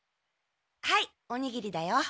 はいおにぎりだよ。